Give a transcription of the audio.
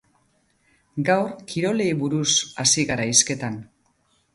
Gaur kirolei buruz hasi gara hizketan.